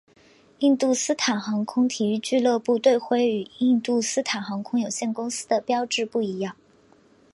印度斯坦航空体育俱乐部队徽与印度斯坦航空有限公司的标志不一样。